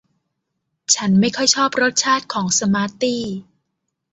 ฉันไม่ค่อยชอบรสชาติของสมาร์ทตี้